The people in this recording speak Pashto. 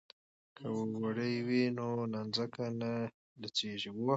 که وړۍ وي نو نانځکه نه لڅیږي.